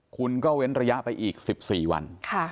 คุณก็เว้นระยะไปอีก๑๔วัน